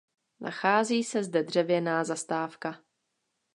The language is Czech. Nachází se zde dřevěná zastávka.